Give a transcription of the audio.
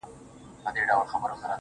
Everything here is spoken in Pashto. زه دي د دريم ژوند پر زوال ږغېږم~